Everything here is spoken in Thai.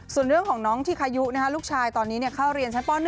ส่วนเรื่องของน้องที่คายุลูกชายตอนนี้เข้าเรียนชั้นป๑